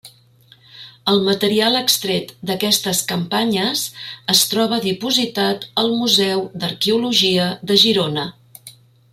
El material extret d'aquestes campanyes es troba dipositat al Museu d'Arqueologia de Girona.